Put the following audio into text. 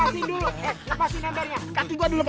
eh lepasin dulu